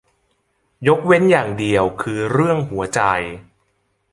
ยกเว้นอย่างเดียวคือเรื่องหัวใจ